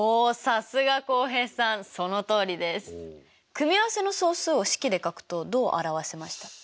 組合せの総数を式で書くとどう表せましたっけ？